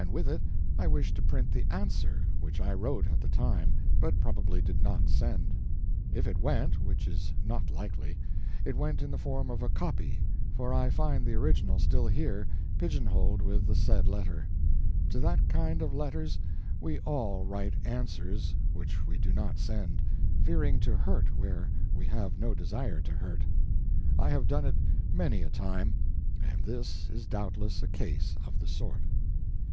And with it I wish to print the answer which I wrote at the time but probably did not send. If it went which is not likely it went in the form of a copy, for I find the original still here, pigeonholed with the said letter. To that kind of letters we all write answers which we do not send, fearing to hurt where we have no desire to hurt; I have done it many a time, and this is doubtless a case of the sort.